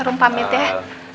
rum pamit ya